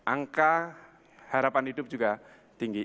angka harapan hidup juga tinggi